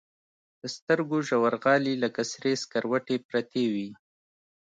د سترګو ژورغالي لكه سرې سكروټې پرتې وي.